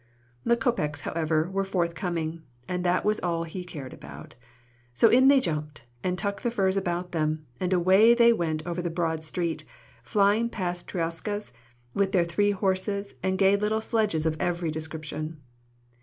The kopeks, however, were forth coming, and that was all he cared about; so in they jumped, and tucked the furs about them, and away they went over the broad street, flying past troiskas, with their three horses, and gay little sledges of every description.